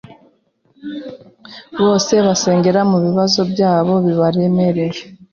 Bose basenge mubibazo byabo bibaremereye